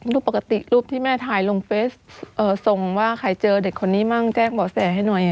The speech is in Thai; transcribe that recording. รูปปกติรูปที่แม่ถ่ายลงเฟสส่งว่าใครเจอเด็กคนนี้มั่งแจ้งเบาะแสให้หน่อย